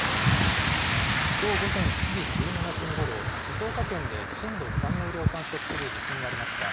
きょう午前７時１７分ごろ、静岡県で震度３の揺れを観測する地震がありました。